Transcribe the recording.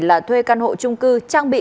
là thuê căn hộ trung cư trang bị